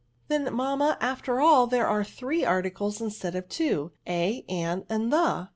'*^^ Then, mamma, after all, there are three articles instead of two— a, an, and the?